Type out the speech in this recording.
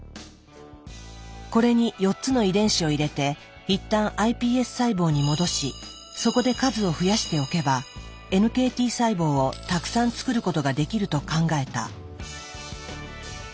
これに４つの遺伝子を入れて一旦ｉＰＳ細胞に戻しそこで数を増やしておけばＮＫＴ細胞をたくさん作ることができると考えた。